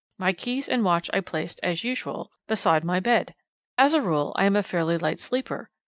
My keys and watch I placed, as usual, beside my bed. As a rule, I am a fairly light sleeper.